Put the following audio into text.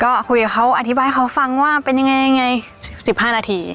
ก็คุยกับเขาอธิบายเขาฟังว่าเป็นยังไง๑๕นาที